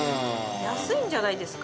安いんじゃないですか？